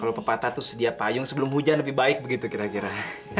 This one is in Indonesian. kalau pepatah itu sedia payung sebelum hujan lebih baik begitu kira kira